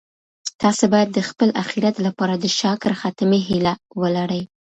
تاسي باید د خپل اخیرت لپاره د شاکره خاتمې هیله ولرئ.